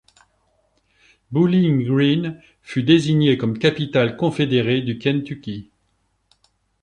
Bowling Green fut désignée comme capitale confédérée du Kentucky.